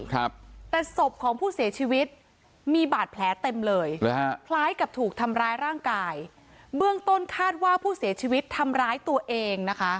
ครับแต่ศพของผู้เสียชีวิตมีบาดแผลเต็มเลยหรือฮะคล้ายกับถูกทำร้ายร่างกายเบื้องต้นคาดว่าผู้เสียชีวิตทำร้ายตัวเองนะคะ